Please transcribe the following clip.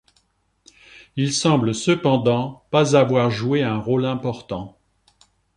Il semble cependant pas avoir joué un rôle important.